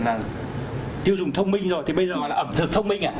là người tiêu dùng thông minh rồi thì bây giờ gọi là ẩm thực thông minh hả